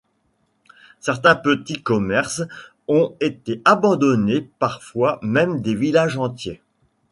Certains petits commerces ont été abandonnés, parfois même des villages entiers.